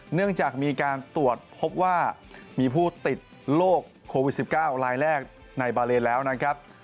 เนื่องจากมีการตรวจพบว่ามีผู้ติดโรคโควิด๑๙รายแรกในบาเลนแล้วนะครับ